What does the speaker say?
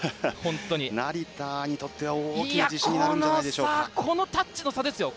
成田にとっては大きい自信になるんじゃなでしょうか。